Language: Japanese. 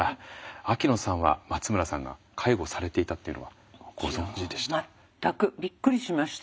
秋野さんは松村さんが介護されていたっていうのはご存じでした？